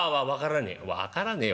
「分からねえ